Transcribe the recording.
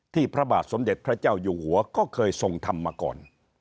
พระบาทสมเด็จพระเจ้าอยู่หัวก็เคยทรงทำมาก่อน